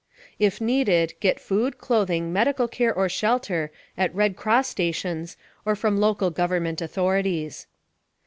If needed, get food, clothing, medical care or shelter at Red Cross stations or from local government authorities.